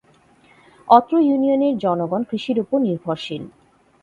অত্র ইউনিয়নের জনগণ কৃষির উপর নির্ভরশীল।